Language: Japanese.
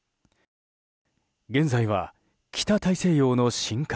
現在は北大西洋の深海